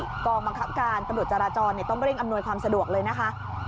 กองบังคับการตำรวจจราจรต้องเร่งอำนวยความสะดวกเลยนะคะ